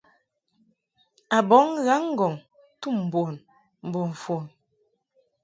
A bɔŋ ghaŋ-ŋgɔŋ tum bun mbo mfon.